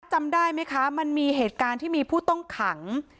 จำได้ไหมคะมันมีเหตุการณ์ที่มีผู้ต้องขัง